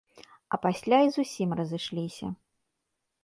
А пасля і зусім разышліся.